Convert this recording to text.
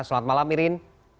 selamat malam irin